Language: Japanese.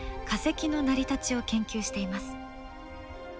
化石の成り立ちを研究しています。